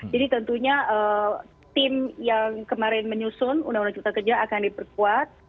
jadi tentunya tim yang kemarin menyusun undang undang cipta kerja akan diperkuat